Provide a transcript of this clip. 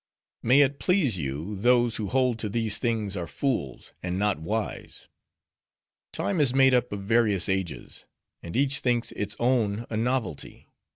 "May it please you, those who hold to these things are fools, and not wise. "Time is made up of various ages; and each thinks its own a novelty.